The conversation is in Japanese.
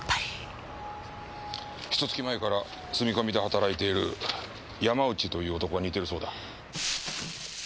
ひと月前から住み込みで働いている山内という男が似てるそうだ。